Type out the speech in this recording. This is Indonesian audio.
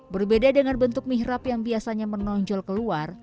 berbeda dengan bentuk mihrab yang biasanya menonjol keluar